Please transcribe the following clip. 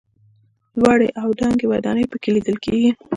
لوړې او دنګې ودانۍ په کې لیدل کېږي.